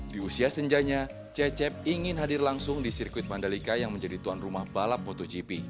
di usia senjanya cecep ingin hadir langsung di sirkuit mandalika yang menjadi tuan rumah balap motogp